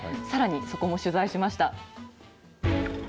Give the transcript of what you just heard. さらにそこも取材しました。